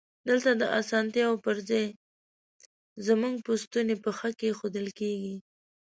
دلته د اسانتیاوو پر ځای زمونږ په ستونی پښه کېښودل کیږی.